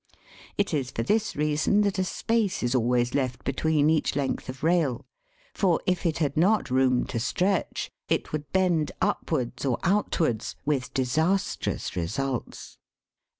It is for this reason that a space is always left between each length of rail, for, if it had not room to stretch, it would bend upwards or outwards, with disastrous results.